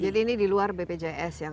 jadi ini diluar bpjs yang